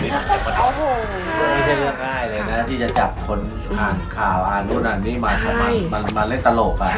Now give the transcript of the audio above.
ไม่ใช่เรื่องง่ายเลยนะที่จะจับคนอ่านข่าวอ่านนู่นอ่านนี่มาเล่นตลก